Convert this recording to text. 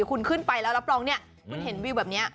คุณขึ้นไปแล้วรับรองเนี่ยคุณเห็นวิวแบบนี้